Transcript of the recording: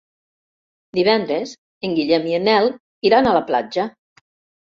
Divendres en Guillem i en Nel iran a la platja.